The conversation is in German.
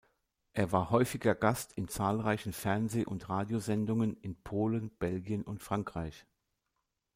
Er war häufiger Gast in zahlreichen Fernseh- und Radiosendungen in Polen, Belgien und Frankreich.